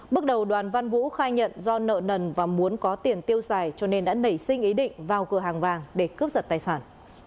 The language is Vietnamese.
bước đầu đoàn văn vũ khai nhận do nợ nần và muốn có tiền tiêu xài cho nên đã nảy sinh ý định vào cửa hàng vàng để cướp giật tài sản